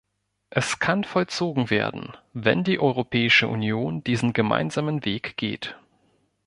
Er kann vollzogen werden, wenn die Europäische Union diesen gemeinsamen Weg geht.